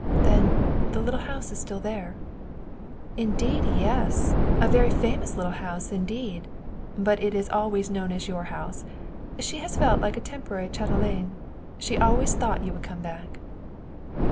"Then the little house is still there?" "Indeed, yes! A very famous little house, indeed. But it is always known as your house. She has felt like a temporary chatelaine. She always thought you would come back."